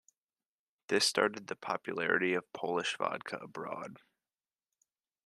This started the popularity of Polish vodka abroad.